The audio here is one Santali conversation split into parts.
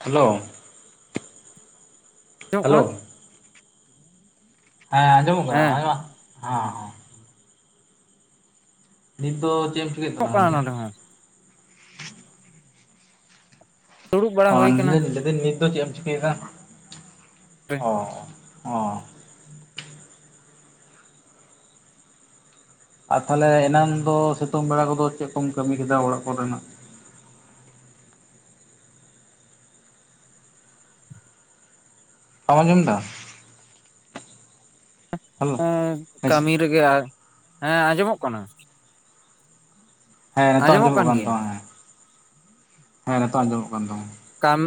ᱦᱮᱞᱳ ᱟᱸᱡᱚᱢᱚᱜ ᱠᱟᱱᱟ ᱦᱮᱞᱳ ᱦᱮᱸ ᱟᱸᱡᱚᱢᱚᱜ ᱠᱟᱱᱟ ᱦᱮᱸ ᱟᱚᱢ ᱦᱮᱸ ᱦᱮᱸ ᱱᱤᱛ ᱫᱚ ᱪᱮᱢ? ᱚᱜ ᱠᱟᱱᱟ ᱱᱚᱸᱰᱮ ᱦᱚᱸ ᱫᱩᱲᱩᱵ ᱵᱟᱲᱟ ᱚ ᱦᱩᱭ ᱠᱟᱱᱟ ᱱᱤᱰᱟ. ᱱᱤᱛ ᱡᱤᱫᱟ. ᱱᱤᱛ ᱫᱚ ᱪᱮᱫ ᱮᱢ ᱪᱤᱠᱟᱹᱭ ᱫᱟ? ᱚ ᱚᱸ ᱟᱨ ᱛᱟᱦᱚᱞᱮ ᱮᱱᱟᱱ ᱫᱚ ᱥᱤᱛᱩᱝ ᱵᱮᱲᱟ ᱠᱚᱫᱚ ᱪᱮᱫ ᱠᱚᱢ ᱠᱟᱹᱢᱤ ᱠᱮᱫᱟ ᱚᱲᱟᱜ ᱠᱚᱨᱮᱱᱟᱜ? ᱟᱢ ᱟᱸᱡᱚᱢ ᱫᱟ ᱦᱮᱞᱳ ᱩᱸ ᱠᱟᱹᱢᱤ ᱨᱮᱜᱮ ᱦᱮᱸ ᱟᱸᱡᱚᱢᱚᱜ ᱠᱟᱱᱟ ᱦᱮᱸ ᱱᱤᱛᱚᱜ ᱟᱸᱡᱚᱢᱚᱜ ᱠᱟᱱ ᱛᱟᱢᱟ ᱦᱮᱸ ᱦᱮᱸ ᱱᱤᱛᱚᱜ ᱟᱸᱡᱚᱢᱚᱜ ᱠᱟᱱ ᱛᱟᱢᱟ ᱠᱟᱢ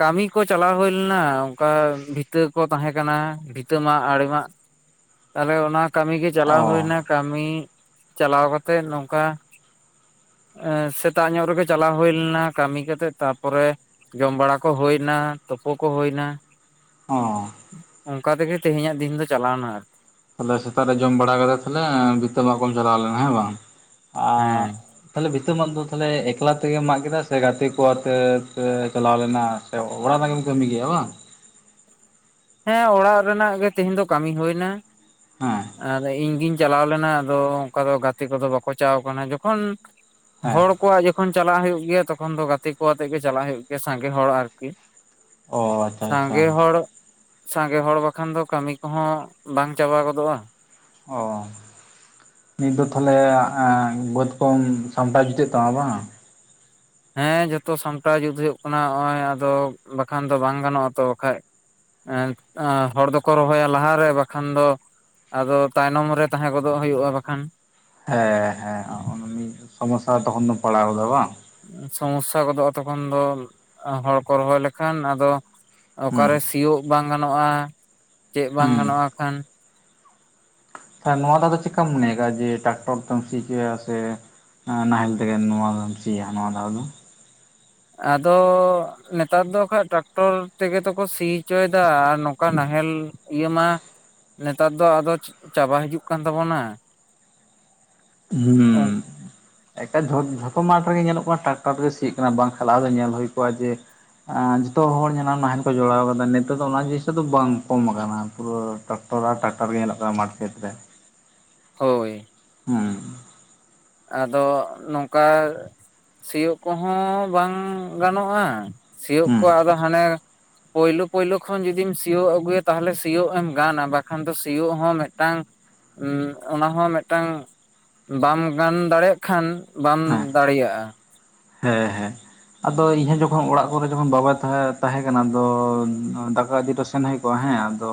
ᱠᱟᱹᱢᱤ ᱠᱚ ᱪᱟᱞᱟᱣ ᱦᱩᱭ ᱞᱮᱱᱟ ᱚᱱᱠᱟ ᱵᱷᱤᱛᱟᱹ ᱠᱚ ᱛᱟᱦᱮᱸ ᱠᱟᱱᱟ ᱵᱷᱤ ᱼᱼ ᱤᱛᱟᱹ ᱢᱟᱜ ᱟᱲᱮ ᱢᱟ ᱛᱟᱦᱚᱞᱮ ᱚᱱᱟ ᱠᱟᱹᱢᱤ ᱜᱮ ᱪᱟᱞᱟᱣ ᱚ ᱦᱩᱭᱱᱟ ᱠᱟᱹᱢᱤ ᱪᱟᱞᱟᱣ ᱠᱟᱛᱮᱜ ᱱᱚᱝᱠᱟ ᱥᱮᱛᱟᱜ ᱧᱚᱜ ᱨᱮᱜᱮ ᱪᱟᱞᱟᱣ ᱦᱩᱭ ᱞᱮᱱᱟ ᱠᱟᱹᱢᱤ ᱠᱟᱛᱮᱜ ᱛᱟᱯᱚᱨᱮ ᱡᱚᱢ ᱵᱟᱲᱟ ᱠᱚ ᱦᱩᱭᱱᱟ ᱛᱳᱯᱳ ᱠᱚ ᱦᱩᱭᱱᱟ ᱚ ᱚᱱᱠᱟ ᱛᱮᱜᱮ ᱛᱮᱦᱮᱧᱟᱜ ᱫᱤᱱ ᱫᱚ ᱪᱟᱞᱟᱣᱱᱟ ᱟᱨ ᱛᱟᱦᱞᱮ ᱥᱮᱛᱟᱜ ᱨᱮ ᱡᱚᱢ ᱵᱟᱲᱟ ᱠᱟᱛᱮ ᱛᱟᱞᱮ ᱵᱤᱛᱟᱹ ᱢᱟᱜ ᱠᱚᱢ ᱪᱟᱞᱟᱣ ᱞᱮᱱᱟ ᱦᱮᱸ ᱵᱟᱝ ᱟ ᱦᱮᱸ ᱛᱟᱦᱞᱮ ᱵᱷᱤᱛᱟᱹ ᱢᱟᱜ ᱫᱚ ᱛᱟᱦᱞᱮ ᱮᱠᱞᱟ ᱛᱮᱜᱮᱢ ᱢᱟᱜ ᱠᱮᱫᱟ ᱥᱮ ᱜᱟᱛᱮ ᱠᱚ ᱟᱛᱮ ᱪᱟᱞᱟᱣ ᱞᱮᱱᱟ ᱚᱲᱟᱜ ᱨᱮᱱᱟᱜᱱᱟᱜ ᱜᱮᱢ ᱠᱟᱹᱢᱤ ᱜᱮᱭᱟ ᱵᱟᱝ? ᱦᱮᱸ ᱚᱲᱟᱜ ᱨᱮᱱᱟᱜ ᱜᱮ ᱛᱮᱦᱮᱧ ᱫᱚ ᱠᱟᱹᱢᱤ ᱦᱩᱭ ᱱᱟ᱾ ᱦᱮᱸ ᱟᱨ ᱤᱧ ᱜᱤᱧ ᱪᱟᱞᱟᱣ ᱞᱮᱱᱟ ᱟᱫᱚ ᱚᱱᱠᱟ ᱫᱚ ᱜᱟᱛᱮ ᱠᱚᱫᱚ ᱵᱟᱠᱚ ᱪᱟᱣ ᱠᱟᱱᱟ ᱡᱚᱠᱷᱚᱱ ᱦᱮᱸ ᱦᱚᱲ ᱠᱚᱣᱟᱜ ᱡᱚᱠᱷᱚᱱ ᱪᱟᱞᱟᱜ ᱦᱩᱭᱩᱜ ᱜᱮᱭᱟ ᱛᱚᱠᱷᱚᱱ ᱫᱚ ᱜᱟᱛᱮ ᱠᱚ ᱟᱛᱮᱜ ᱜᱮ ᱪᱟᱞᱟᱜ ᱦᱩᱭᱩᱜ ᱜᱮᱭᱟ ᱥᱟᱸᱜᱮ ᱦᱚᱲ ᱟᱨᱠᱤ ᱚ ᱟᱪᱷᱟ ᱟᱪᱷᱟ ᱥᱟᱸᱜᱮ ᱦᱚᱲ ᱥᱟᱸᱜᱮ ᱦᱚᱲ ᱵᱟᱠᱷᱟᱱ ᱫᱚ ᱠᱟᱹᱢᱤ ᱠᱚᱦᱚᱸ ᱵᱟᱝ ᱪᱟᱵᱟ ᱜᱚᱫᱚᱜᱼᱟ ᱚ ᱱᱤᱛ ᱫᱚ ᱛᱟᱦᱚᱞᱮ ᱵᱟᱹᱛ ᱠᱚᱢ ᱥᱟᱢᱴᱟᱣ ᱡᱩᱴᱟᱹᱜ ᱛᱟᱢᱟ ᱵᱟᱝ ᱦᱮᱸ ᱡᱚᱛᱚ ᱥᱟᱢᱴᱟᱣ ᱡᱩᱛ ᱦᱩᱭᱩᱜ ᱠᱟᱱᱟ ᱱᱚᱜᱼᱚᱭ ᱟᱫᱚ ᱵᱟᱠᱷᱟᱱ ᱫᱚ ᱵᱟᱝ ᱜᱟᱱᱚᱜᱼᱟ ᱛᱚ ᱟᱠᱷᱟᱱ ᱦᱚᱲ ᱫᱚᱠᱚ ᱨᱚᱦᱚᱭᱟ ᱞᱟᱦᱟᱨᱮ ᱵᱟᱠᱷᱟᱱ ᱫᱚ ᱟᱫᱚ ᱛᱟᱭᱱᱚᱢ ᱨᱮ ᱛᱟᱦᱮᱸ ᱜᱚᱫᱚᱜ ᱦᱩᱭᱩᱜᱼᱟ ᱵᱟᱠᱷᱟᱱ ᱦᱮᱸ ᱦᱮᱸ ᱢᱤᱫ ᱥᱚᱢᱚᱥᱟ ᱛᱚᱠᱷᱚᱱ ᱫᱚ ᱯᱟᱲᱟᱣ ᱜᱚᱫᱚᱜᱼᱟ ᱵᱟᱝ ᱥᱚᱢᱚᱥᱟ ᱜᱚᱫᱚᱜᱼᱟ ᱛᱚᱠᱷᱚᱱ ᱫᱚ ᱦᱚᱲ ᱠᱚ ᱨᱚᱦᱚᱭ ᱞᱮᱠᱷᱟᱱ ᱟᱫᱚ ᱦᱩᱸ ᱚᱠᱟᱨᱮ ᱥᱤᱭᱳᱜ ᱵᱟᱝ ᱜᱟᱱᱚᱜᱼᱟ? ᱪᱮᱫ ᱵᱟᱝ ᱦᱩᱸ ᱜᱟᱱᱚᱜᱼᱟ ᱟᱠᱷᱟᱱ? ᱟᱨ ᱱᱚᱶᱟ ᱫᱚ ᱟᱫᱚ ᱪᱮᱠᱟᱢ ᱢᱚᱱᱮᱭ ᱫᱟ ᱡᱮ ᱴᱟᱠᱴᱚᱨ ᱛᱮᱢ ᱥᱤ ᱦᱚᱪᱚᱭᱟ ᱥᱮ? ᱱᱟᱦᱮᱞ ᱛᱮ ᱜᱮᱢ ᱱᱚᱶᱟ ᱱᱚᱣᱟᱢ ᱥᱤᱭᱟ ᱱᱚᱶᱟ ᱫᱟᱣ ᱫᱚ ᱟᱫᱚᱻ ᱱᱮᱛᱟᱨ ᱫᱚ ᱟᱠᱷᱟᱡ ᱴᱨᱟᱠᱴᱚᱨ ᱛᱮᱜᱮᱮᱛᱠᱚ ᱥᱤ ᱦᱚᱪᱚᱭᱮᱫᱟ ᱟᱨ ᱱᱚᱝᱠᱟ ᱱᱟᱦᱮᱞ ᱤᱭᱟᱹ ᱢᱟ ᱱᱮᱛᱟᱨ ᱫᱚ ᱟᱫᱚ ᱪᱟᱵᱟ ᱦᱤᱡᱩᱜ ᱠᱟᱱ ᱛᱟᱵᱚᱱᱟ ᱦᱩᱸᱻ ᱮᱠᱟᱞ ᱡᱚ ᱡᱷᱚᱛᱚ ᱢᱟᱴ ᱨᱮᱜᱮ ᱧᱮᱞᱚᱜ ᱠᱟᱱᱟ ᱴᱨᱟᱠᱴᱟᱨ ᱛᱮᱜᱮ ᱥᱤᱜ ᱠᱟᱱᱟ ᱵᱟᱝᱠᱷᱟᱱ ᱞᱟᱦᱟ ᱫᱚ ᱧᱮᱞ ᱦᱩᱭ ᱠᱚᱜᱼᱟ ᱡᱮ ᱡᱚᱛᱚ ᱦᱚᱲ ᱧᱮᱞᱟᱢ ᱱᱟᱦᱮᱞ ᱠᱚ ᱡᱚᱲᱟᱣ ᱠᱟᱫᱟ ᱱᱤᱛᱟᱨ ᱫᱚ ᱚᱱᱟ ᱡᱤᱱᱤᱥᱴᱟ ᱫᱚ ᱵᱟᱝ ᱠᱚᱢ ᱟᱠᱟᱱᱟ ᱯᱩᱨᱟᱹ ᱴᱟᱠᱴᱟᱨ [unintelligible] ᱴᱟᱠᱴᱟᱨ ᱜᱮ ᱧᱮᱞᱚᱜ ᱠᱟᱱᱟ ᱢᱟᱴ ᱠᱷᱮᱛ ᱨᱮ ᱦᱳᱭ ᱦᱩᱸ ᱟᱫᱚ ᱱᱚᱝᱠᱟ ᱥᱤᱭᱳᱜ ᱠᱚᱦᱚᱸ ᱵᱟᱝ ᱜᱟᱱᱚᱜᱼᱟ ᱥᱤᱭᱳᱜ ᱦᱩᱸ ᱠᱚ ᱟᱫᱚ ᱦᱟᱱᱮ ᱯᱳᱭᱞᱳ ᱯᱳᱭᱞᱳ ᱠᱷᱚᱱ ᱡᱩᱫᱤᱢ ᱥᱤᱭᱳᱜ ᱟᱹᱜᱩᱭᱟ ᱛᱟᱦᱚᱞᱮ ᱥᱤᱭᱳᱜ ᱮᱢ ᱜᱟᱱᱟ ᱵᱟᱠᱷᱟᱱ ᱫᱚ ᱥᱤᱭᱳᱜ ᱦᱚᱸ ᱢᱤᱫ ᱴᱟᱝ ᱩᱜ ᱚᱱᱟ ᱦᱚᱸ ᱢᱤᱫ ᱴᱟᱝ ᱵᱟᱢ ᱜᱟᱱ ᱫᱟᱲᱮᱭᱟᱜ ᱠᱷᱟᱱ ᱵᱟᱢ ᱦᱮᱸ ᱫᱟᱲᱮᱭᱟᱜᱼᱟ ᱦᱮᱸ ᱦᱮᱸ ᱟᱫᱚ ᱤᱧᱦᱚᱸ ᱡᱚᱠᱷᱚᱱ ᱚᱲᱟᱜ ᱠᱚᱨᱮ ᱡᱚᱠᱷᱚᱱ ᱵᱟᱵᱟᱭ ᱛᱟᱦᱮᱸ ᱠᱟᱱᱟ ᱟᱫᱚ ᱫᱟᱠᱟ ᱤᱫᱤ ᱴᱚ ᱥᱮᱱ ᱦᱩᱭ ᱠᱚᱜᱼᱟ [unintelligible] ᱦᱮᱸ ᱟᱫᱚ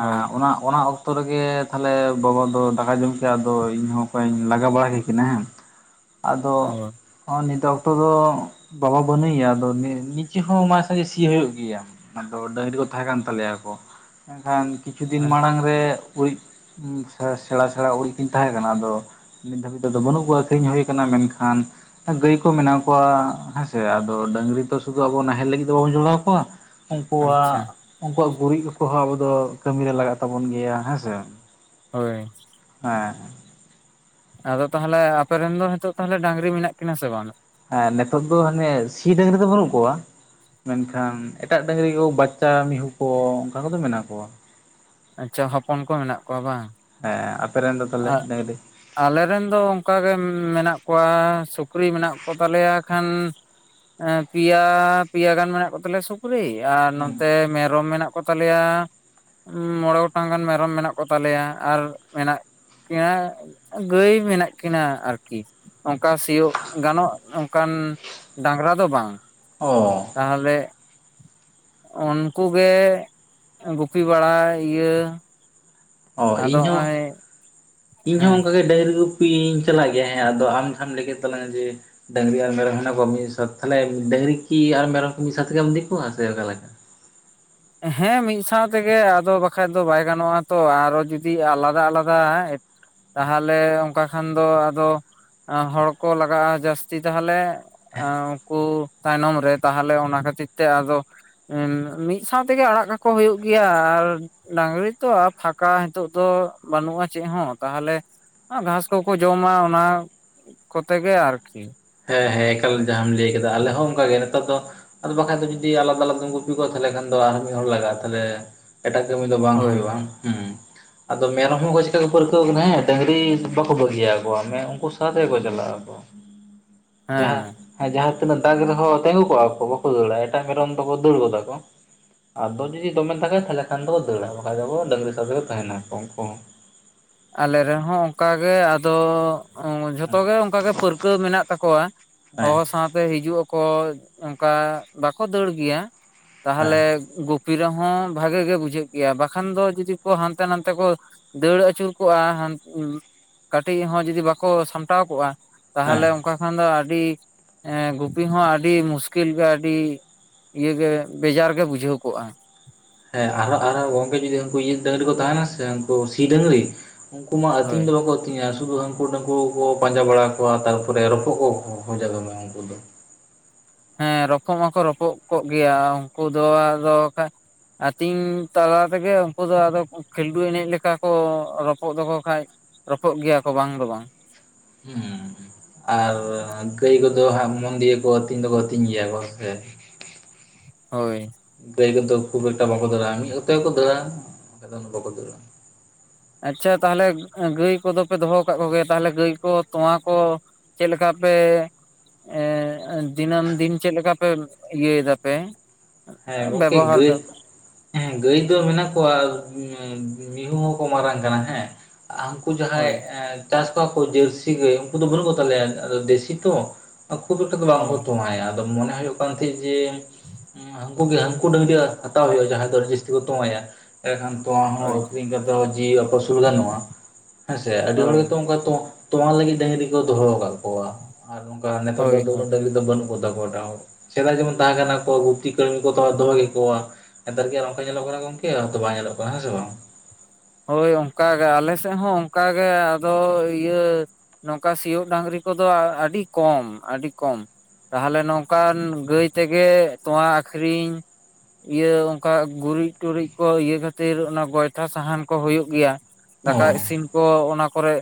ᱦᱳᱭ ᱚᱱᱟ ᱚᱱᱟ ᱚᱠᱛᱚ ᱨᱮᱜᱮ ᱛᱟᱦᱚᱞᱮ ᱵᱟᱵᱟ ᱫᱚ ᱫᱟᱠᱟ ᱡᱚᱢ ᱠᱮᱭᱟ ᱟᱫᱚ ᱤᱧ ᱦᱚᱸ ᱚᱠᱟᱧ ᱞᱟᱜᱟ ᱵᱟᱲᱟ ᱠᱮᱠᱤᱱᱟ ᱦᱮᱸ [unintelligible] ᱟᱫᱚ ᱚ ᱦᱚ ᱱᱤᱛᱚᱜ [unintelligible] ᱫᱚ ᱵᱟᱵᱟ ᱵᱟᱹᱱᱩᱭ-ᱟ ᱟᱫᱚ ᱱᱤᱡᱮ ᱦᱚᱸ ᱢᱟ ᱥᱟᱡᱮ ᱥᱤ ᱦᱩᱭᱩᱜ ᱜᱮᱭᱟ ᱟᱫᱚ ᱰᱟᱹᱝᱨᱤ ᱠᱚ ᱛᱟᱦᱮᱸ ᱠᱟᱱ ᱛᱟᱞᱮᱭᱟ ᱠᱚ ᱮᱱᱠᱷᱟᱱ ᱠᱤᱪᱷᱩ ᱫᱤᱱ ᱢᱟᱲᱟᱝ ᱨᱮ ᱩᱨᱤᱡ ᱩ ᱥᱮᱬᱟ ᱥᱮᱬᱟ ᱩᱲᱮᱡ ᱠᱤᱧ ᱛᱟᱦᱮᱸ ᱠᱟᱱᱟ ᱟᱫᱚ ᱱᱤᱛ ᱫᱷᱟᱹᱵᱤᱡ ᱛᱮ ᱫᱚ ᱵᱟᱹᱱᱩᱜ ᱠᱚᱣᱟ ᱟᱹᱠᱷᱨᱤᱧ ᱦᱩᱭᱩᱭᱟ ᱟᱠᱟᱱᱟ ᱢᱮᱱᱠᱷᱟᱱ ᱜᱟᱹᱭ ᱠᱚ ᱢᱮᱱᱟᱜ ᱠᱚᱶᱟ ᱦᱮᱸᱥᱮ ᱟᱫᱚ ᱰᱟᱝᱨᱤ ᱛᱚ ᱥᱩᱫᱩ ᱟᱵᱚ ᱱᱟᱦᱮᱞ ᱞᱟᱹᱜᱤᱫ ᱫᱚ ᱵᱟᱵᱚᱱ ᱡᱚᱲᱟᱣ ᱠᱚᱣᱟ ᱩᱱᱠᱩᱣᱟᱜ ᱟᱪᱪᱷᱟ ᱩᱱᱠᱩᱣᱟᱜ ᱜᱩᱨᱤᱡ ᱠᱚ ᱠᱚᱦᱚᱸ ᱟᱵᱚ ᱫᱚ ᱠᱟᱹᱢᱤᱨᱮ ᱞᱟᱜᱟᱜ ᱛᱟᱵᱚᱱ ᱜᱮᱭᱟ ᱦᱮᱸᱥᱮ ᱦᱳᱭ ᱦᱮᱸ ᱟᱫᱚ ᱛᱟᱦᱚᱞᱮ ᱟᱯᱮ ᱨᱮᱱ ᱫᱚ ᱱᱤᱛᱳᱜ ᱛᱟᱦᱚᱞᱮ ᱰᱟᱝᱨᱤ ᱢᱮᱱᱟᱜ ᱠᱤᱱᱟ ᱥᱮ ᱵᱟᱝ ᱦᱮᱸ ᱱᱤᱛᱳᱜ ᱫᱚ ᱦᱟᱱᱮ ᱥᱤ ᱰᱟᱝᱨᱤ ᱫᱚ ᱵᱟᱹᱱᱩᱜ ᱠᱚᱣᱟ ᱢᱮᱱᱠᱷᱟᱱ ᱮᱴᱟᱜ ᱰᱟᱝᱨᱤ ᱠᱚ ᱵᱟᱪᱪᱟ ᱢᱤᱦᱩ ᱠᱚ ᱚᱱᱠᱟ ᱠᱚᱫᱚ ᱢᱮᱱᱟᱜ ᱠᱚᱣᱟ ᱟᱪᱪᱷᱟ ᱦᱚᱯᱚᱱ ᱠᱚ ᱢᱮᱱᱟᱜ ᱠᱚᱣᱟ ᱵᱟᱝ ᱦᱮᱸ ᱟᱯᱮᱨᱮᱱ ᱫᱚ ᱛᱟᱦᱞᱮ ᱴᱟᱹᱝᱨᱤ ᱟᱞᱮᱱ ᱫᱚ ᱚᱱᱠᱟᱜᱮ ᱢᱮᱱᱟᱜ ᱠᱚᱣᱟ ᱥᱩᱠᱨᱤ ᱢᱮᱱᱟᱜ ᱠᱚᱛᱟᱞᱮᱭᱟ ᱟᱠᱷᱟᱱ ᱯᱮᱭᱟ ᱯᱮᱭᱟ ᱜᱟᱱ ᱢᱮᱱᱟᱜ ᱠᱚᱛᱟᱞᱮᱭᱟ ᱥᱩᱠᱨᱤ ᱟᱨ ᱱᱚᱛᱮ ᱢᱮᱨᱚᱢ ᱢᱮᱱᱟᱜ ᱠᱚ ᱠᱚ ᱛᱟᱞᱮᱭᱟ ᱢᱚᱬᱮ ᱜᱚᱴᱟᱝ ᱜᱟᱱ ᱢᱮᱨᱚᱢ ᱢᱮᱱᱟᱜ ᱠᱚᱛᱟᱞᱮᱭᱟ ᱟᱨ ᱢᱮᱱᱟᱜ ᱯᱮᱲᱟ ᱜᱟᱹᱭ ᱢᱮᱱᱟᱜ ᱠᱤᱱᱟᱹ ᱟᱨᱠᱤ ᱚᱱᱠᱟ ᱥᱤᱭᱳᱜ ᱜᱟᱱᱚᱜ ᱚᱱᱠᱟᱱ ᱰᱟᱝᱨᱟ ᱫᱚ ᱵᱟᱝ ᱚ ᱛᱟᱦᱚᱞᱮ ᱩᱱᱠᱩᱜ ᱜᱮ ᱜᱩᱯᱤ ᱵᱟᱲᱟ ᱤᱭᱟᱹ ᱟᱫᱚ ᱚᱭ ᱤᱧᱦᱚᱸ ᱚᱱᱠᱟᱜᱮ ᱰᱟᱝᱨᱤ ᱜᱩᱯᱤᱧ ᱪᱟᱞᱟᱜ ᱜᱮᱭᱟ ᱦᱮᱸ ᱟᱫᱚ ᱟᱢ ᱠᱷᱟᱱ ᱞᱟᱹᱭ ᱠᱮᱫ ᱛᱟᱞᱟᱝᱟ ᱡᱮ ᱰᱟᱹᱝᱨᱤ ᱟᱨ ᱢᱮᱨᱚᱢ ᱦᱮᱱᱟᱜ ᱠᱚ ᱛᱟᱦᱚᱞᱮ ᱰᱟᱹᱝᱨᱤ ᱠᱤ ᱟᱨ ᱢᱮᱨᱚᱢ ᱢᱤᱫ ᱥᱟᱶᱛ ᱛᱮᱜᱮᱢ ᱠᱚᱣᱟ ᱥᱮ ᱚᱠᱟᱞᱮ ᱞᱮᱠᱟ ᱦᱮᱸ ᱢᱤᱫ ᱥᱟᱶ ᱛᱮᱜᱮ ᱟᱫᱚ ᱵᱟᱠᱷᱟᱡ ᱫᱚ ᱵᱟᱭ ᱜᱟᱱᱚᱜᱼᱟ ᱛᱚ ᱟᱨᱚ ᱡᱩᱫᱤ ᱟᱞᱟᱫᱟ ᱟᱞᱟᱫᱟ ᱛᱟᱦᱚᱞᱮ ᱚᱱᱠᱟ ᱠᱷᱟᱱ ᱫᱚ ᱟᱫᱚ ᱦᱚᱲ ᱠᱚ ᱞᱟᱜᱟᱜᱼᱟ ᱡᱟᱹᱥᱛᱤ ᱛᱟᱦᱚᱞᱮ ᱩᱱᱠᱩ ᱛᱟᱭᱱᱚᱢ ᱨᱮ ᱛᱟᱦᱚᱞᱮ ᱚᱱᱟ ᱠᱷᱟᱹᱛᱤᱨ ᱛᱮ ᱟᱫᱚ ᱢᱤᱫ ᱢᱤᱫ ᱥᱟᱶᱛᱮᱜᱮ ᱟᱲᱟᱜ ᱠᱟᱠᱚ ᱦᱩᱭᱩᱜ ᱜᱮᱭᱟ ᱟᱨ ᱰᱟᱝᱨᱤ ᱛᱚ ᱯᱷᱟᱸᱠᱟ ᱱᱤᱛᱚᱜ ᱫᱚ ᱵᱟᱹᱱᱩᱜᱼᱟ ᱪᱮᱫ ᱦᱚᱸ ᱛᱟᱦᱚᱞᱮ ᱜᱷᱟᱸᱥ ᱠᱚᱠᱚ ᱡᱚᱢᱟ ᱚᱱᱟ ᱠᱚᱛᱮ ᱜᱮ ᱟᱨᱠᱤ ᱦᱮᱸ ᱦᱮᱸ ᱮᱠᱟᱞ ᱡᱟᱦᱟᱸᱟᱢ ᱞᱟᱹᱭ ᱠᱮᱫᱟ ᱟᱞᱮ ᱦᱚᱸ ᱚᱱᱠᱟᱜ ᱜᱮ ᱱᱮᱛᱟᱨ ᱫᱚ ᱟᱫᱚ ᱵᱟᱠᱟᱱᱡ ᱫᱚ ᱡᱩᱫᱤ ᱟᱞᱟᱫᱟ ᱟᱞᱟᱫᱟᱢ ᱜᱩᱯᱤ ᱠᱚᱼᱟ ᱛᱟᱱ ᱫᱚ ᱟᱨ ᱢᱤᱫ ᱦᱚᱲ ᱞᱟᱜᱟᱜᱼᱟ ᱛᱟᱦᱞᱮ ᱮᱴᱟᱜ ᱠᱟᱹᱢᱤ ᱫᱚ ᱵᱟᱝ ᱦᱳᱭ ᱦᱩᱭᱩᱜᱼᱟ ᱦᱮᱸ ᱟᱫᱚ ᱢᱮᱨᱚᱢ ᱦᱚᱸ ᱪᱮᱠᱟ ᱠᱚ ᱯᱟᱹᱨᱠᱟᱹᱣ ᱟᱠᱟᱱᱟ ᱦᱮᱸ ᱰᱟᱹᱝᱨᱤ ᱵᱟᱠᱚ ᱵᱟᱹᱜᱤᱭᱟᱚ ᱢᱮ ᱩᱱᱠᱩ ᱥᱟᱶᱛᱮᱜᱮ ᱠᱚ ᱪᱟᱞᱟᱜ ᱟᱠᱚ ᱡᱟᱦᱟᱸ ᱦᱮᱸ ᱦᱮᱸ ᱡᱟᱦᱟᱸ ᱛᱤᱱᱟᱹᱜ ᱫᱟᱜᱽ ᱨᱮᱦᱚᱸ ᱛᱤᱸᱜᱩ ᱠᱚᱜᱼᱟ ᱠᱚ ᱵᱟᱠᱚ ᱫᱟᱹᱲᱟ ᱮᱴᱟᱜ ᱢᱮᱨᱚᱢ ᱫᱚᱠᱚ ᱫᱟᱹᱲ ᱜᱚᱫᱟ ᱠᱚ ᱟᱫᱚ ᱡᱩᱫᱤ ᱫᱚᱢᱮᱢ ᱫᱟᱜᱠᱟᱭᱟ ᱛᱟᱦᱚᱞᱮ ᱠᱷᱟᱱ ᱫᱚ ᱫᱟᱹᱲᱟ ᱵᱟᱠᱷᱟᱡ ᱫᱚ ᱰᱟᱹᱝᱨᱤ ᱥᱟᱵ ᱨᱮ ᱠᱚ ᱛᱟᱦᱮᱱᱟ ᱩᱱᱠᱩ ᱦᱚᱸ ᱟᱞᱮ ᱨᱮᱦᱚᱸ ᱚᱱᱠᱟᱜᱮ ᱟᱫᱚ ᱡᱷᱚᱛᱚ ᱜᱮ ᱚᱱᱠᱟ ᱜᱮ ᱯᱟᱹᱨᱠᱟᱹᱣ ᱢᱮᱱᱟᱜ ᱛᱟᱠᱚᱣᱟ ᱦᱮᱸ ᱦᱮᱸ ᱦᱚᱦᱚ ᱥᱟᱶᱛᱮ ᱦᱤᱡᱩᱜ ᱟᱠᱚ ᱠᱚ ᱚᱱᱠᱟ ᱵᱟᱠᱚ ᱫᱟᱹᱲ ᱜᱮᱭᱟ ᱦᱮᱸ ᱛᱟᱦᱚᱞᱮ ᱜᱩᱯᱤ ᱨᱮᱦᱚᱸ ᱵᱷᱟᱜᱮ ᱜᱮ ᱵᱩᱡᱷᱟᱹᱜ ᱜᱮᱭᱟ ᱵᱟᱠᱷᱟᱱ ᱫᱚ ᱡᱩᱫᱤ ᱠᱚ ᱦᱟᱱᱛᱮ ᱱᱟᱛᱮ ᱠᱚ ᱫᱟᱹᱲ ᱟᱹᱪᱩᱨ ᱠᱟᱹᱴᱤᱡ ᱦᱚᱸ ᱡᱩᱫᱤ ᱵᱟᱠᱚ ᱥᱟᱢᱴᱟᱣ ᱠᱚᱜᱼᱟ ᱛᱟᱦᱚᱞᱮ ᱚᱱᱠᱟ ᱠᱷᱟᱱ ᱫᱚ ᱟᱹᱰᱤ ᱜᱩᱯᱤ ᱦᱚᱸ ᱟᱹᱰᱤ ᱢᱩᱥᱠᱤᱞ ᱜᱮ ᱟᱹᱰᱤ ᱤᱭᱟᱹᱜᱮ ᱵᱮᱡᱟᱨ ᱜᱮ ᱵᱩᱡᱷᱟᱹᱣ ᱠᱚᱜᱼᱟ ᱦᱮᱸ ᱟᱨᱦᱚᱸ ᱟᱨᱦᱚᱸ ᱜᱚᱝᱠᱮ ᱡᱩᱫᱤ ᱩᱱᱠᱩ ᱤᱭᱟᱹ ᱰᱟᱹᱝᱨᱤ ᱠᱚ ᱛᱟᱦᱮᱱᱟ ᱥᱮ ᱩᱱᱠᱩ ᱥᱤ ᱰᱟᱹᱝᱨᱤ ᱩᱱᱠᱩ ᱢᱟ ᱟᱛᱤᱝ ᱦᱳᱭ ᱫᱚ ᱛᱤᱧᱟᱹ ᱥᱩᱫᱩ ᱦᱟᱹᱱᱠᱩ ᱱᱟᱠᱩ ᱠᱚ ᱯᱟᱸᱡᱟ ᱵᱟᱲᱟ ᱠᱚᱣᱟ ᱛᱟᱨᱯᱚᱨᱮ ᱨᱚᱯᱚᱜ ᱠᱚ ᱦᱚᱡᱟ ᱫᱚ ᱩᱱᱠᱩ ᱫᱚ ᱦᱮᱸ ᱨᱚᱯᱚᱜ ᱢᱟᱠᱚ ᱨᱚᱯᱚᱜ ᱠᱚᱜ ᱜᱮᱭᱟ ᱩᱱᱠᱩ ᱫᱚ ᱟᱫᱚ ᱠᱷᱟᱡ ᱟᱹᱛᱤᱧ ᱛᱟᱞᱟ ᱛᱮᱜᱮ ᱩᱱᱠᱩ ᱫᱚ ᱟᱫᱚ ᱠᱷᱮᱞᱰᱩ ᱮᱱᱮᱡ ᱞᱮᱠᱟ ᱠᱚ ᱨᱚᱯᱚᱜ ᱫᱚᱠᱚ ᱠᱷᱟᱡ ᱨᱚᱯᱚᱜ ᱜᱮᱭᱟ ᱠᱚ ᱵᱟᱝ ᱫᱚ ᱵᱟᱝ ᱦᱩᱸᱢ ᱟᱨ ᱜᱟᱹᱭ ᱠᱚᱫᱚ ᱦᱟᱸ ᱢᱚᱱᱫᱤᱭᱮ ᱠᱚ ᱟᱹᱛᱤᱧ ᱫᱚᱠᱚ ᱟᱹᱛᱤᱧ ᱜᱮᱭᱟ ᱠᱚ ᱦᱮᱥᱮ ᱦᱳᱭ ᱜᱟᱹᱭ ᱠᱤᱱᱛᱩ ᱠᱷᱩᱵ ᱮᱠᱴᱟ ᱵᱟᱠᱚ ᱫᱟᱹᱲᱟᱜᱼᱟ ᱢᱤᱫ ᱚᱠᱛᱮ ᱜᱮᱠᱚ ᱫᱟᱹᱲᱟᱜᱼᱟ ᱫᱚ ᱵᱟᱠᱚ ᱫᱟᱹᱲᱟᱜᱼᱟ ᱟᱪᱪᱷᱟ ᱛᱟᱦᱚᱞᱮ ᱜᱟᱹᱭ ᱠᱚᱫᱚ ᱯᱮ ᱫᱚᱦᱚ ᱟᱠᱟᱫ ᱠᱚᱜᱮᱭᱟ ᱛᱟᱦᱚᱞᱮ ᱜᱟᱹᱭ ᱠᱚ ᱛᱚᱣᱟ ᱠᱚ ᱪᱮᱫ ᱞᱮᱠᱟ ᱟᱯᱮ ᱮ ᱫᱤᱱᱟᱹᱢ ᱫᱤᱱ ᱪᱮᱫ ᱞᱮᱠᱟ ᱯᱮ ᱤᱭᱟᱹᱭ ᱫᱟ ᱯᱮ ᱦᱮᱸ ᱜᱚᱝᱠᱮ ᱵᱮᱵᱚᱦᱟᱨ ᱜᱟᱹᱭ ᱦᱮᱸ ᱜᱟᱹᱭ ᱫᱚ ᱢᱮᱱᱟᱜ ᱠᱚᱣᱟ ᱢᱤᱦᱩ ᱦᱚᱸᱠᱚ ᱢᱟᱨᱟᱝ ᱠᱟᱱᱟ ᱦᱮᱸ ᱩᱱᱠᱩ ᱡᱟᱦᱟᱸᱭ ᱦᱳᱭ ᱮ ᱪᱟᱥ ᱠᱚᱣᱟ ᱠᱚ ᱡᱟᱹᱨᱥᱤ ᱜᱟᱹᱭ ᱩᱱᱠᱩ ᱫᱚ ᱵᱟᱹᱱᱩᱜ ᱠᱚ ᱛᱟᱞᱮᱭᱟ ᱫᱮᱥᱤ ᱛᱚ ᱠᱷᱩᱵ ᱮᱠᱴᱟ ᱫᱚ ᱵᱟᱝᱠᱚ ᱚ ᱛᱚᱭᱟ ᱟᱫᱚ ᱢᱚᱱᱮ ᱦᱩᱭᱩᱜ ᱠᱟᱱ ᱛᱟᱦᱮᱸᱫ ᱡᱮ ᱦᱟᱹᱱᱠᱩᱜ ᱜᱮ ᱦᱟᱹᱱᱠᱩ ᱰᱟᱹᱝᱜᱨᱤ ᱦᱟᱛᱟᱣ ᱦᱩᱭᱩᱜᱼᱟ ᱡᱟᱦᱟᱸᱭ ᱫᱚ ᱡᱟᱹᱥᱛᱤ ᱠᱚ ᱛᱳᱣᱟᱭᱟ ᱮᱰᱮᱠᱷᱟᱱ ᱛᱳᱣᱟ ᱦᱚᱸ ᱦᱳᱭ ᱟᱹᱠᱷᱨᱤᱧ ᱠᱟᱛᱮᱫ ᱦᱚᱸ ᱡᱤᱣᱤ ᱟᱯᱟᱥᱩᱞ ᱜᱟᱱᱚᱜᱼᱟ ᱦᱮᱸᱥᱮ ᱟᱹᱰᱤ ᱦᱚᱲ ᱦᱳᱭ ᱜᱮᱛᱚ ᱚᱱᱠᱟ ᱛᱚ ᱛᱚᱣᱟ ᱞᱟᱹᱜᱤᱫ ᱰᱟᱹᱝᱜᱨᱤ ᱠᱚ ᱫᱚᱦᱚ ᱟᱠᱟᱫ ᱠᱚᱣᱟ ᱟᱨ ᱱᱚᱝᱠᱟ ᱱᱮᱛᱟᱨ ᱫᱚ ᱦᱳᱭ ᱦᱳᱭ ᱩᱱᱟᱹᱜ ᱰᱟᱹᱝᱜᱨᱤ ᱫᱚ ᱵᱟᱹᱱᱩᱜ ᱠᱚᱛᱟ ᱠᱚᱣᱟ ᱮᱴᱟᱜ ᱦᱚᱲ ᱥᱮᱫᱟᱭ ᱡᱮᱢᱚᱱ ᱛᱟᱦᱮᱸ ᱠᱟᱱᱟ ᱠᱚ ᱠᱟᱹᱢᱤ ᱠᱚ ᱫᱚᱦᱚ ᱠᱮᱠᱚᱣᱟ ᱱᱮᱛᱟᱨ ᱜᱮ ᱟᱨ ᱚᱱᱠᱟ ᱧᱮᱞᱚᱜ ᱠᱟᱱᱟ ᱜᱚᱝᱠᱮ ᱦᱛᱚ ᱵᱟᱭ ᱧᱮᱞᱚᱜ ᱠᱟᱱᱟ ᱦᱮᱸ ᱥᱮ ᱵᱟᱝ ᱦᱳᱭ ᱚᱱᱠᱟᱜᱮ ᱟᱞᱮ ᱥᱮᱫ ᱦᱚᱸ ᱚᱱᱠᱟᱜᱮ ᱟᱫᱚ ᱤᱭᱟᱹ ᱱᱚᱝᱠᱟ ᱥᱤᱭᱳᱜ ᱰᱟᱹᱝᱜᱨᱤ ᱠᱚᱫᱚ ᱟᱹᱰᱤ ᱠᱚᱢ ᱟᱹᱰᱤ ᱠᱚᱢ ᱛᱟᱦᱚᱞᱮ ᱱᱚᱝᱠᱟᱱ ᱜᱟᱹᱭ ᱛᱮᱜᱮ ᱛᱳᱣᱟ ᱟᱹᱠᱷᱨᱤᱧ ᱤᱭᱟᱹ ᱚᱱᱠᱟ ᱜᱩᱨᱤᱡ ᱴᱩᱨᱤᱡ ᱠᱚ ᱤᱭᱟᱹ ᱠᱷᱟᱹᱛᱤᱨ ᱚᱱᱟ ᱜᱚᱭᱴᱷᱟ ᱥᱟᱦᱟᱱ ᱠᱚ ᱦᱩᱭᱩᱜ ᱜᱮᱭᱟ ᱫᱟᱠᱟ ᱚ ᱤᱥᱤᱱ ᱠᱚ ᱚᱱᱟ ᱠᱚᱨᱮ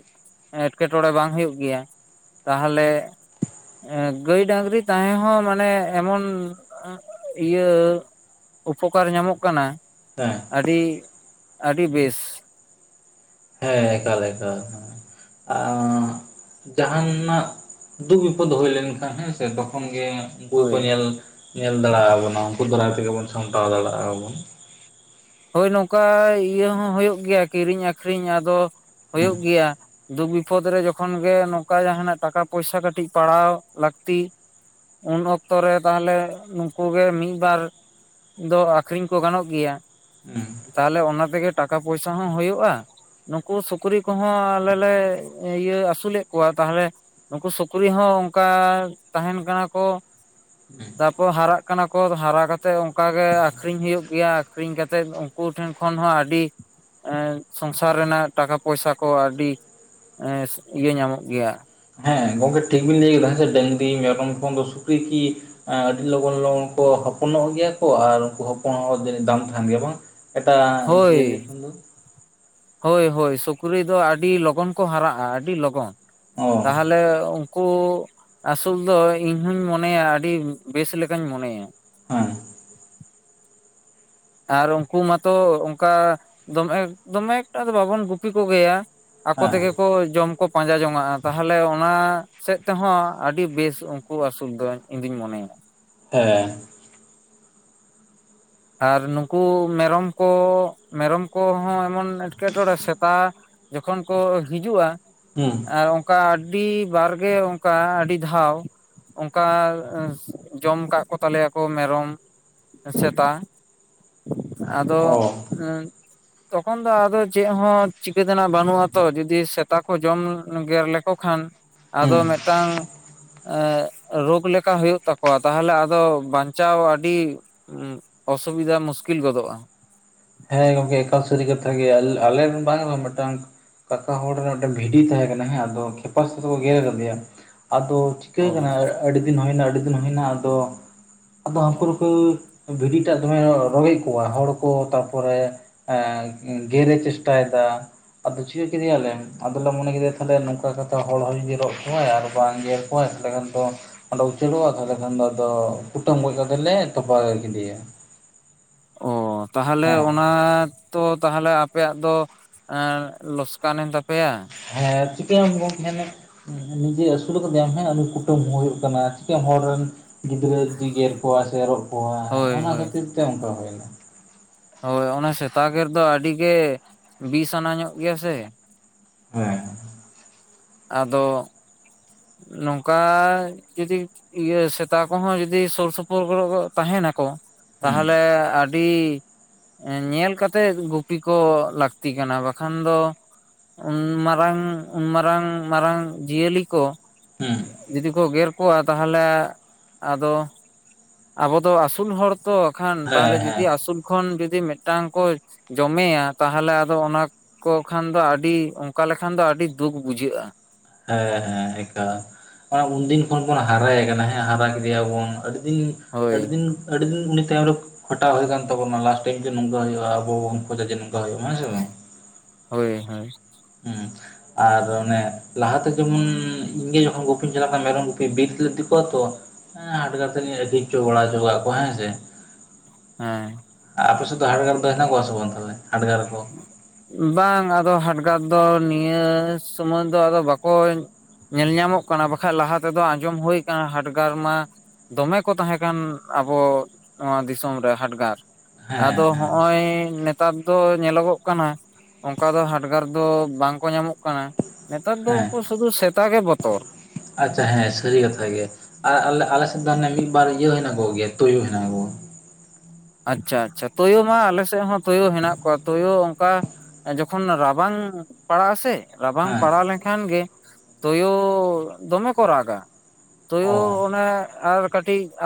ᱮᱴᱠᱮᱴᱚᱬᱮ ᱵᱟᱝ ᱦᱩᱭᱩᱜ ᱜᱮᱭᱟ ᱛᱟᱦᱚᱞᱮ ᱜᱟᱹᱭ ᱰᱟᱹᱝᱜᱨᱤ ᱛᱟᱦᱮᱸ ᱦᱚᱸ ᱢᱟᱱᱮ ᱮᱢᱚᱱᱼᱼ ᱤᱭᱟᱹ ᱩᱯᱚᱠᱟᱨ ᱧᱟᱢᱚᱜ ᱠᱟᱱᱟ ᱦᱮᱸ ᱟᱹᱰᱤ ᱟᱹᱰᱤ ᱵᱮᱥ ᱦᱮᱸ ᱮᱠᱟᱞ ᱮᱠᱟᱞᱼᱼ [unintelligible] ᱡᱟᱦᱟ ᱱᱟᱜ ᱫᱩᱠ ᱵᱤᱯᱚᱫ ᱦᱩᱭ ᱞᱮᱱᱠᱷᱟᱱ ᱦᱮᱸᱥᱮ ᱛᱚᱠᱷᱚᱱ ᱜᱮ ᱩᱱᱠᱩ ᱜᱮᱠᱚ ᱦᱳᱭ ᱧᱮᱞ ᱧᱮᱞ ᱫᱟᱲᱮ ᱟᱵᱚᱱᱟ ᱩᱱᱠᱩ ᱫᱟᱨᱟᱭ ᱛᱮᱜᱮ ᱵᱚᱱ ᱥᱟᱢᱴᱟᱣ ᱫᱟᱲᱮᱭᱟᱜ-ᱟ ᱵᱚᱱ ᱦᱳᱭ ᱱᱚᱝᱠᱟ ᱤᱭᱟᱹ ᱦᱚᱸ ᱦᱩᱭᱩᱜ ᱜᱮᱭᱟ ᱠᱤᱨᱤᱧ ᱟᱹᱠᱷᱨᱤᱧ ᱟᱫᱚ ᱦᱩᱸ ᱦᱩᱭᱩᱜ ᱜᱮᱭᱟ ᱫᱩᱠ ᱵᱤᱯᱚᱫ ᱨᱮ ᱡᱚᱠᱷᱚᱱ ᱜᱮ ᱱᱚᱝᱠᱟ ᱡᱟᱦᱟ ᱱᱟᱜ ᱴᱟᱠᱟ ᱯᱚᱭᱥᱟ ᱠᱟᱹᱴᱤᱡ ᱯᱟᱲᱟᱣ ᱞᱟᱹᱠᱛᱤ ᱩᱱ ᱚᱠᱛᱚ ᱨᱮ ᱛᱟᱦᱞᱮ ᱱᱩᱠᱩ ᱜᱮ ᱢᱤᱫ ᱵᱟᱨ ᱫᱚ ᱟᱠᱷᱨᱤᱧ ᱠᱚ ᱜᱟᱱᱚᱜ ᱜᱮᱭᱟ ᱦᱩᱸ ᱛᱟᱦᱞᱮ ᱚᱱᱟ ᱛᱮᱜᱮ ᱴᱟᱠᱟ ᱯᱚᱭᱥᱟ ᱦᱚᱸ ᱦᱩᱭᱩᱜᱼᱟ ᱱᱩᱠᱩ ᱥᱩᱠᱨᱤ ᱠᱚᱦᱚᱸ ᱟᱞᱮ ᱞᱮ ᱤᱭᱟᱹ ᱟᱹᱥᱩᱞᱮᱫ ᱠᱚᱣᱟ ᱛᱟᱦᱚᱞᱮ ᱱᱩᱠᱩ ᱥᱩᱠᱨᱤ ᱦᱚᱸ ᱚᱱᱠᱟ ᱛᱟᱦᱮᱱ ᱠᱟᱱᱟ ᱠᱚ ᱛᱟᱨᱯᱚᱨ ᱦᱟᱨᱟᱜ ᱠᱟᱱᱟ ᱠᱚ ᱦᱟᱨᱟ ᱠᱟᱛᱮᱜ ᱚᱱᱠᱟ ᱜᱮ ᱟᱠᱷᱨᱤᱧ ᱦᱩᱭᱩᱜ ᱜᱮᱭᱟ ᱟᱠᱷᱨᱤᱧ ᱠᱟᱛᱮᱜ ᱛᱮᱫ ᱩᱱᱠᱩ ᱴᱷᱮᱱ ᱠᱷᱚᱱ ᱦᱚᱸ ᱟᱹᱰᱤ ᱥᱚᱝᱥᱟᱨ ᱨᱮᱱᱟᱜ ᱴᱟᱠᱟ ᱯᱚᱭᱥᱟ ᱠᱚ ᱟᱹᱰᱤᱼᱼ ᱤᱭᱟᱹ ᱧᱟᱢᱚᱜ ᱜᱮᱭᱟ ᱦᱮᱸ ᱜᱚᱢᱠᱮ ᱴᱷᱤᱠ ᱵᱤᱱ ᱞᱟᱹᱭ ᱠᱮᱫᱟ ᱦᱮ ᱰᱟᱹᱝᱜᱨᱤ ᱢᱮᱨᱚᱢ ᱠᱷᱚᱱ ᱫᱚ ᱥᱩᱠᱨᱤ ᱠᱤ ᱮ ᱟᱹᱰᱤ ᱞᱚᱜᱚᱱ ᱞᱚᱜᱚᱱ ᱠᱚ ᱦᱚᱯᱚᱱᱚᱜ ᱜᱮᱭᱟ ᱠᱚ ᱟᱨ ᱩᱱᱠᱩ ᱦᱚᱯᱚᱱ ᱦᱚᱸ ᱫᱟᱢ ᱛᱟᱦᱮᱱ ᱜᱮᱭᱟ ᱵᱟᱝ ᱮᱴᱟᱜ ᱦᱳᱭ ᱡᱤᱭᱟᱹᱞᱤ ᱠᱷᱚᱱ ᱫᱚ ᱦᱳᱭ ᱦᱳᱭ ᱥᱩᱠᱨᱤ ᱫᱚ ᱟᱹᱰᱤ ᱞᱚᱜᱚᱱ ᱠᱚ ᱦᱟᱨᱟᱜᱼᱟ ᱟᱹᱰᱤ ᱞᱚᱜᱚᱱ ᱚ ᱛᱟᱦᱞᱮ ᱛᱟᱦᱞᱮ ᱩᱱᱠᱩ ᱟᱹᱥᱩᱞ ᱫᱚ ᱤᱧᱦᱚᱧ ᱢᱚᱱᱮᱭᱟ ᱟᱹᱰᱤ ᱵᱮᱥ ᱞᱮᱠᱟᱧ ᱢᱚᱱᱮᱭᱟ ᱦᱮᱸ ᱟᱨ ᱩᱱᱠᱩ ᱢᱟᱛᱚ ᱚᱱᱠᱟ ᱫᱚᱢᱮ ᱫᱚᱢᱮ ᱮᱠᱴᱟ ᱫᱚ ᱵᱟᱵᱚᱱ ᱜᱩᱯᱤ ᱠᱚ ᱜᱮᱭᱟ ᱟᱠᱚ ᱦᱮᱸ ᱛᱮᱜᱮ ᱠᱚ ᱡᱚᱢ ᱠᱚ ᱯᱟᱸᱡᱟ ᱡᱚᱝᱟᱜᱼᱟ ᱛᱟᱦᱮᱞᱮ ᱚᱱᱟ ᱥᱮᱫ ᱛᱮᱦᱚᱸ ᱟᱹᱰᱤ ᱵᱮᱥ ᱩᱱᱠᱩ ᱟᱹᱥᱩᱞ ᱫᱚ ᱤᱧᱫᱩᱧ ᱢᱚᱱᱮᱭᱟ ᱦᱮᱸ ᱟᱨ ᱱᱩᱠᱩ ᱢᱮᱨᱚᱢ ᱠᱚ ᱢᱮᱨᱚᱢ ᱠᱚᱦᱚᱸ ᱮᱢᱚᱱ ᱮᱸᱴᱠᱮᱴᱚᱬᱮ ᱥᱮᱛᱟ ᱡᱚᱠᱷᱚᱱ ᱠᱚ ᱦᱤᱡᱩᱜᱼᱟ ᱦᱩᱸ ᱟᱨ ᱚᱱᱠᱟ ᱟᱹᱰᱤ ᱵᱟᱨᱜᱮ ᱚᱱᱠᱟ ᱟᱹᱰᱤ ᱫᱷᱟᱣ ᱚᱱᱠᱟ ᱡᱚᱢ ᱠᱟᱜ ᱠᱚ ᱛᱟᱞᱮᱭᱟᱠᱚ ᱢᱮᱨᱚᱢ ᱥᱮᱛᱟ ᱟᱫᱚ ᱚ [unintelligible] ᱛᱚᱠᱷᱚᱱ ᱫᱚ ᱟᱫᱚ ᱪᱮᱫ ᱦᱚᱸ ᱪᱤᱠᱟᱹ ᱛᱮᱱᱟᱜ ᱵᱟᱹᱱᱩᱜ ᱟᱛᱚ ᱡᱩᱫᱤ ᱥᱮᱛᱟ ᱠᱚ ᱡᱚᱢ ᱜᱮᱨ ᱞᱮᱠ ᱠᱚ ᱠᱷᱟᱱ ᱟᱫᱚ ᱦᱩᱸ ᱢᱮᱫᱴᱟᱝ ᱨᱳᱜᱽ ᱞᱮᱠᱟ ᱦᱩᱭᱩᱜ ᱛᱟᱠᱚᱣᱟ ᱛᱟᱦᱞᱮ ᱟᱫᱚ ᱵᱟᱧᱪᱟᱣ ᱟᱹᱰᱤᱼᱼ ᱚᱥᱩᱵᱤᱫᱟ ᱢᱩᱥᱠᱤᱞ ᱜᱚᱫᱚᱜᱼᱟ ᱦᱮᱸ ᱜᱚᱢᱠᱮ ᱮᱠᱟᱞ ᱥᱟᱨᱤ ᱠᱟᱛᱷᱟ ᱜᱮ ᱟᱞᱮ ᱵᱟᱝ ᱨᱮᱦᱚ ᱢᱤᱫᱴᱟᱝ ᱠᱟᱠᱟ ᱦᱚᱲ ᱨᱮᱱ ᱢᱤᱫᱴᱟᱝ ᱵᱷᱤᱰᱤ ᱛᱟᱦᱮᱸ ᱠᱟᱱᱟ ᱦᱮᱸ ᱟᱫᱚ ᱠᱷᱮᱯᱟ ᱥᱮ ᱫᱚᱠᱚ ᱜᱮᱨ ᱟᱠᱟᱫᱮᱭᱟ ᱟᱫᱚ ᱪᱤᱠᱟᱹ ᱚ ᱠᱟᱱᱟ ᱟᱹᱰᱤ ᱫᱤᱱ ᱦᱩᱭᱱᱟ ᱟᱹᱰᱤ ᱫᱤᱱ ᱦᱩᱭᱱᱟ ᱟᱫᱚ ᱟᱫᱚ ᱦᱟᱹᱠᱩ ᱱᱩᱠᱩ ᱵᱷᱤᱰᱤᱴᱟᱜ ᱫᱚᱢᱮ ᱨᱚᱜᱮᱫ ᱠᱚᱣᱟ ᱦᱚᱲ ᱠᱚ ᱯᱚᱨᱮ ᱮ ᱜᱮᱨᱮ ᱪᱮᱥᱴᱟ ᱭᱮᱫᱟ ᱟᱫᱚ ᱪᱤᱠᱟᱹ ᱠᱮᱫᱮᱭᱟᱞᱮ ᱟᱫᱚᱞᱮ ᱢᱚᱱᱮ ᱠᱮᱫᱮᱭᱟ ᱛᱟᱦᱮ ᱱᱚᱝᱠᱟ ᱠᱟᱛᱮ ᱦᱚᱲ ᱦᱚᱲ ᱨᱚᱜ ᱠᱚᱣᱟᱭ ᱟᱨ ᱵᱟᱝ ᱜᱮ ᱦᱚᱭ [inaudible] ᱟᱰᱤᱜᱟᱱ ᱛᱚ ᱚᱸᱰᱮ ᱪᱟᱹᱞᱩ ᱟᱠᱟᱫ ᱛᱟᱦᱚᱞᱮ ᱠᱷᱟᱱ ᱫᱚ ᱟᱫᱚ ᱠᱩᱴᱟᱹᱢ ᱜᱚᱡ ᱠᱟᱛᱮ ᱞᱮ ᱛᱚᱯᱟ ᱠᱮᱫᱮᱭᱟ ᱚᱸ ᱛᱟᱦᱚᱞᱮ ᱦᱮᱸ ᱚᱱᱟᱼᱼ ᱛᱚ ᱛᱟᱦᱮᱞᱮ ᱟᱯᱮᱭᱟᱜ ᱫᱚ ᱚᱱᱟ ᱞᱚᱥᱠᱟᱱ ᱮᱱ ᱛᱟᱯᱮᱭᱟ ᱦᱮᱸ ᱪᱤᱠᱟᱹᱭᱟᱢ ᱜᱚᱢᱠᱮ [inaudible] ᱱᱤᱡᱮ ᱟᱹᱥᱩᱞ ᱠᱟᱛᱮᱟᱢ ᱦᱮ ᱩᱱᱤ ᱠᱩᱴᱟᱹᱢ ᱦᱩᱭᱩᱜ ᱠᱟᱱᱟ ᱪᱤᱠᱟᱹᱭᱟᱢ ᱦᱚᱲ ᱨᱮᱱ ᱜᱤᱫᱽᱨᱟᱹ ᱡᱩᱫᱤ ᱜᱮᱨ ᱠᱚᱣᱟ ᱥᱮ ᱨᱚᱜ ᱠᱚᱣᱟ ᱦᱳᱭ ᱚᱱᱟ ᱠᱷᱟᱹᱛᱤᱨ ᱛᱮ ᱚᱱᱠᱟ ᱦᱩᱭ ᱮᱱᱟ ᱦᱚᱭ ᱚᱱᱟ ᱥᱮᱛᱟ ᱜᱮᱨ ᱫᱚ ᱟᱹᱰᱤ ᱜᱮ ᱵᱤᱥ ᱟᱱᱟ ᱧᱚᱜ ᱜᱮᱭᱟ ᱥᱮ ᱦᱮᱸ ᱟᱫᱚ ᱱᱚᱝᱠᱟ ᱡᱩᱫᱤ ᱤᱭᱟᱹ ᱥᱮᱛᱟ ᱠᱚᱦᱚᱸ ᱡᱩᱫᱤ ᱥᱩᱨ ᱥᱩᱯᱩᱨ ᱠᱚᱨᱮ ᱠᱚ ᱛᱟᱦᱮᱸ ᱱᱟᱠᱚ ᱦᱮᱸ ᱛᱟᱦᱮᱞᱮ ᱟᱹᱰᱤ ᱧᱮᱞ ᱠᱟᱛᱮᱜ ᱜᱩᱯᱤ ᱠᱚ ᱞᱟᱹᱠᱛᱤ ᱠᱟᱱᱟ ᱵᱟᱠᱷᱟᱱ ᱫᱚ ᱩᱱ ᱢᱟᱨᱟᱝ ᱩᱱ ᱢᱟᱨᱟᱝᱭ ᱢᱟᱨᱟᱝ ᱡᱤᱭᱟᱹᱞᱤ ᱠᱚ ᱡᱩᱫᱤ ᱠᱚ ᱜᱮᱨ ᱠᱚᱣᱟ ᱛᱟᱦᱚᱞᱮ ᱟᱫᱚ ᱟᱵᱚ ᱫᱚ ᱟᱹᱥᱩᱞ ᱦᱚᱲ ᱛᱚ ᱠᱷᱟᱱ ᱛᱟᱦᱮ ᱦᱮᱸ ᱞᱮ ᱡᱩᱫᱤ ᱦᱮᱸ ᱟᱥᱩᱞ ᱠᱷᱚᱱ ᱡᱩᱫᱤ ᱢᱤᱫᱴᱟᱝ ᱠᱚ ᱡᱚᱢᱮᱭᱟ ᱛᱟᱦᱮᱞᱮ ᱟᱫᱚ ᱚᱱᱟ ᱠᱚ ᱠᱷᱟᱱ ᱫᱚ ᱟᱹᱰᱤ ᱚᱱᱠᱟ ᱞᱮᱠᱷᱟᱱ ᱫᱚ ᱟᱹᱰᱤ ᱫᱩᱠ ᱵᱩᱡᱷᱟᱹᱜᱼᱟ ᱦᱮᱸ ᱦᱮᱸ ᱮᱠᱟᱞ ᱮ ᱩᱱᱫᱤᱱ ᱠᱷᱚᱱ ᱵᱚᱱ ᱦᱟᱨᱟᱭᱮ ᱠᱟᱱᱟ ᱦᱮᱸ ᱦᱟᱨᱟ ᱠᱮᱫᱮᱭᱟᱵᱚᱱ ᱟᱹᱰᱤ ᱫᱤᱱ ᱦᱳᱭ ᱟᱹᱰᱤ ᱫᱤᱱ ᱟᱹᱰᱤ ᱫᱤᱱ ᱩᱱᱤ ᱛᱟᱭᱚᱢ ᱨᱮ ᱠᱷᱟᱴᱟᱣ ᱦᱩᱭ ᱠᱟᱱ ᱛᱟᱵᱚᱱᱟ ᱞᱟᱥᱴ ᱴᱟᱤᱢ ᱡᱮ ᱱᱚᱝᱠᱟ ᱦᱩᱭᱩᱜ ᱟᱵᱚ ᱵᱚᱱ ᱠᱷᱚᱡᱟ ᱡᱮᱝᱠᱟ ᱦᱚᱭᱚᱜ ᱢᱟ ᱡᱮᱢᱚᱱ ᱦᱚᱭ ᱦᱚᱭ ᱦᱩᱸ ᱟᱨ ᱚᱱᱮ ᱞᱟᱦᱟᱛᱮ ᱡᱮᱢᱚᱱ ᱤᱧᱜᱮ ᱡᱚᱠᱷᱚᱱ ᱜᱩᱯᱤᱧ ᱪᱟᱞᱟᱜ ᱠᱟᱱᱟ ᱢᱮᱨᱚᱢ ᱜᱩᱯᱤ ᱵᱤᱨ ᱛᱮᱞᱮ ᱤᱫᱤ ᱠᱚᱣᱟ ᱛᱚ ᱦᱮᱸ ᱦᱟᱰᱜᱟᱨ ᱛᱮ ᱞᱤᱧ ᱤᱫᱤ ᱦᱚᱪᱚ ᱵᱟᱲᱟ ᱦᱚᱪᱚ ᱠᱟᱜ ᱠᱚᱣᱟ ᱦᱮᱸ ᱥᱮ ᱦᱮᱸ ᱟᱯᱮ ᱥᱮᱫ ᱫᱚ ᱦᱟᱰᱜᱟᱨ ᱫᱚ ᱦᱮᱱᱟᱜ ᱠᱚᱣᱟ ᱥᱮ ᱵᱟᱝ ᱦᱟᱰᱜᱟᱨ ᱠᱚ ᱵᱟᱝ ᱟᱫᱚ ᱦᱟᱰᱜᱟᱨ ᱫᱚ ᱱᱤᱭᱟᱹ ᱥᱚᱢᱚᱭ ᱫᱚ ᱟᱫᱚ ᱵᱟᱠᱚ ᱧᱮᱞ ᱧᱟᱢᱚᱜ ᱠᱟᱱᱟ ᱵᱟᱠᱷᱟᱡ ᱞᱟᱦᱟ ᱛᱮᱫᱚ ᱟᱸᱡᱚᱢ ᱦᱩᱭ ᱟᱠᱟᱱᱟ ᱦᱟᱰᱜᱟᱨ ᱢᱟ ᱫᱚᱢᱮ ᱠᱚ ᱛᱟᱦᱮᱸᱠᱟᱱ ᱟᱵᱚ ᱱᱚᱣᱟ ᱫᱤᱥᱚᱢ ᱨᱮ ᱦᱟᱰᱜᱟᱨ ᱟᱫᱚ ᱦᱮᱸ ᱦᱮᱸ ᱦᱚᱜᱼᱚᱭ ᱱᱮᱛᱟᱨ ᱫᱚ ᱧᱮᱞᱚᱜᱚᱜ ᱠᱟᱱᱟ ᱚᱱᱠᱟ ᱫᱚ ᱦᱟᱰᱜᱟᱨ ᱫᱚ ᱵᱟᱝ ᱠᱚ ᱧᱟᱢᱚᱜ ᱠᱟᱱᱟ ᱱᱮᱛᱟᱨ ᱫᱚ ᱦᱮᱸ ᱩᱱᱠᱩ ᱥᱩᱫᱷᱩ ᱥᱮᱛ ᱜᱮ ᱵᱚᱛᱚᱨ ᱟᱪᱪᱷᱟ ᱦᱮᱸ ᱥᱟᱹᱨᱤ ᱠᱟᱛᱷᱟ ᱜᱮ ᱟᱨ ᱟᱞᱮ ᱟᱞᱮ ᱥᱮᱫ ᱫᱚ ᱢᱤᱫ ᱵᱟᱨ ᱤᱭᱟᱹ ᱦᱮᱱᱟᱜ ᱠᱚᱜᱮ ᱛᱩᱭᱩ ᱦᱮᱱᱟᱜ ᱠᱚᱣᱟ ᱟᱪᱪᱷᱟ ᱟᱪᱪᱷᱟ ᱛᱩᱭᱩ ᱢᱟ ᱟᱞᱮ ᱥᱮᱫ ᱦᱚᱸ ᱛᱩᱭᱩ ᱦᱮᱱᱟᱜ ᱠᱚᱣᱟ ᱛᱩᱭᱩ ᱚᱱᱠᱟ ᱡᱚᱠᱷᱚᱱ ᱨᱟᱵᱟᱝ ᱯᱟᱲᱟᱜ ᱟᱥᱮ ᱨᱟᱵᱟᱝ ᱦᱮᱸ ᱯᱟᱲᱟᱣ ᱞᱮᱱᱠᱷᱟᱱ ᱠᱷᱟᱱ ᱜᱮ [unintelligible] ᱛᱩᱭᱩ ᱫᱚᱢᱮ ᱠᱚ ᱨᱟᱜ-ᱟ ᱛᱩᱭᱩ ᱚ ᱚᱱᱮ ᱟᱨ ᱠᱟᱹᱴᱤᱡ ᱟ